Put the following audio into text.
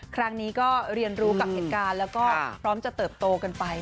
ครั้งนี้ก็เรียนรู้กับเหตุการณ์แล้วก็พร้อมจะเติบโตกันไป